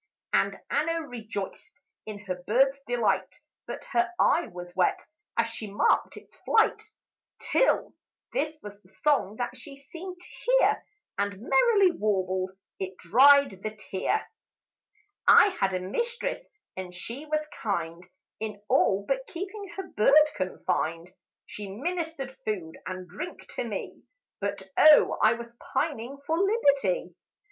And Anna rejoiced in her bird's delight; But her eye was wet, as she marked its flight; Till, this was the song that she seemed to hear; And, merrily warbled, it dried the tear: "I had a mistress, and she was kind, In all, but keeping her bird confined; She ministered food and drink to me, But, O I was pining for liberty!